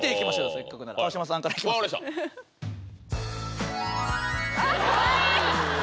せっかくなら川島さんから分かりましたかわいい！